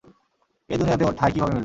এই দুনিয়াতে ওর ঠাই কীভাবে মিলবে?